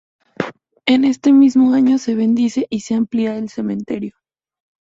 En este mismo año se bendice y se amplía el cementerio.